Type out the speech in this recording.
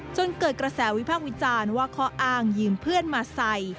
จนเกิดกระแสวิพากษ์วิจารณ์ว่าข้ออ้างยืมเพื่อนมาใส่